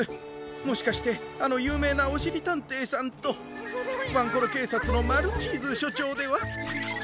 もしかしてあのゆうめいなおしりたんていさんとワンコロけいさつのマルチーズしょちょうでは？